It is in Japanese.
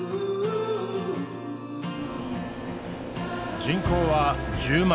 人口は１０万。